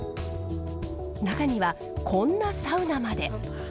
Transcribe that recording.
中にはこんなサウナまで。